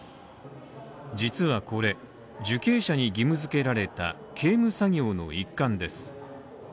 実はこれ、受刑者に義務付けられた刑務作業の一環です。